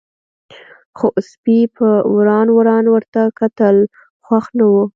خو سپي په وران وران ورته کتل، خوښ نه و.